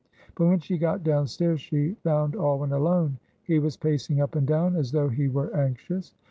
But when she got downstairs she found Alwyn alone. He was pacing up and down as though he were anxious.